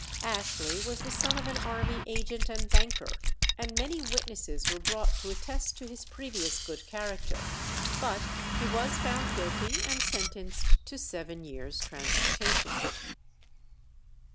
Ashley was the son of an army agent and banker, and many witnesses were brought to attest to his previous good character, but he was found guilty and sentenced to seven years' transportation.